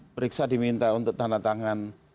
periksa diminta untuk tanda tangan